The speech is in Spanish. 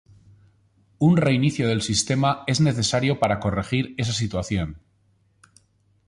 Un reinicio del sistema es necesario para corregir esa situación.